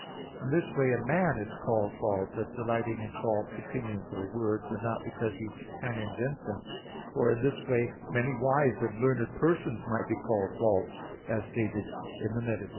In this way a man is called false as delighting in false opinions or words, and not because he can invent them; for in this way many wise and learned persons might be called false, as stated in _Metaph.